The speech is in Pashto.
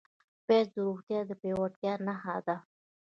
پیاز د روغتیا د پیاوړتیا نښه ده